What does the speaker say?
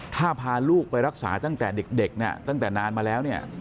ถ้าพาลูกไปรักษาตั้งแต่เด็กเนี่ยตั้งแต่นานมาแล้วเนี่ย